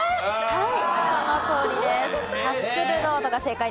はい。